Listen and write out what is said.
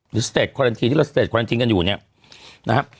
หรือสเตรดควารันทีที่เราสเตรดควารันทีกันอยู่เนี่ยนะครับ